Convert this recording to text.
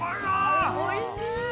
◆おいしい。